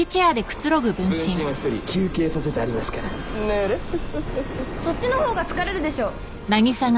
分身を１人休憩させてありますからヌルフフフフそっちの方が疲れるでしょ！